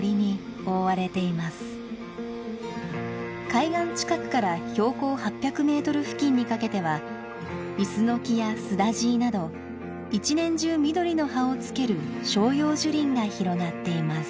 海岸近くから標高８００メートル付近にかけてはイスノキやスダジイなど一年中緑の葉を付ける照葉樹林が広がっています。